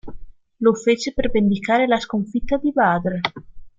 Lo fece per vendicare la sconfitta di Badr.